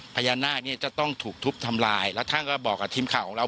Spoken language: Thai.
พญานาคเนี่ยจะต้องถูกทุบทำลายแล้วท่านก็บอกกับทีมข่าวของเรา